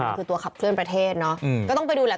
มันคือตัวขับเคลื่อนประเทศเนอะก็ต้องไปดูแหละ